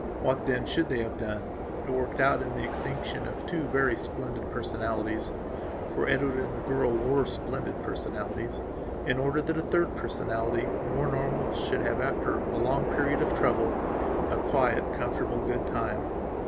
What then, should they have done? worked out in the extinction of two very splendid personalitiesfor Edward and the girl were splendid personalities, in order that a third personality, more normal, should have, after a long period of trouble, a quiet, comfortable, good time.